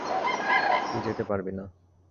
তুই যেতে পারবি না।